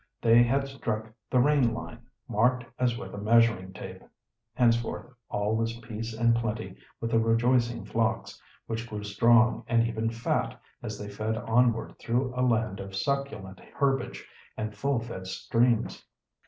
They had struck the "rain line," marked as with a measuring tape. Henceforth all was peace and plenty with the rejoicing flocks, which grew strong and even fat as they fed onward through a land of succulent herbage and full fed streams.